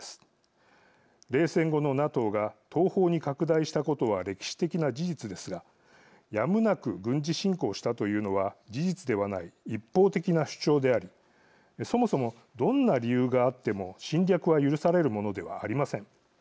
冷戦後のＮＡＴＯが東方に拡大したことは歴史的な事実ですがやむなく軍事侵攻したというのは事実ではない一方的な主張でありそもそもどんな理由があっても侵略は許されるものではありません。